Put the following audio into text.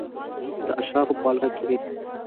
د اشرافو په ولکه کې وې.